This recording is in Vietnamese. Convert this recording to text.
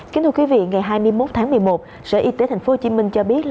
kính thưa quý vị ngày hai mươi một tháng một mươi một sở y tế tp hcm cho biết